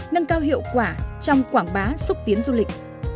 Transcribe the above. nâng cao hiệu quả trong quảng bá xúc tiến du lịch